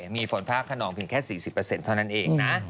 มีฝนฟ้าขนองเพียงแค่๔๐เท่านั้นเองนะ